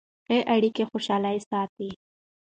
ښې اړیکې خوشحاله ساتي.